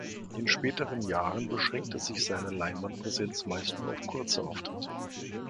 In späteren Jahren beschränkte sich seine Leinwandpräsenz meist nur auf kurze Auftritte.